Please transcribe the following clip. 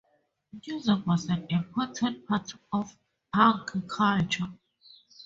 Music was an important part of punk culture.